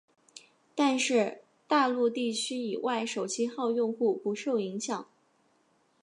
但是大陆地区以外手机号用户不受影响。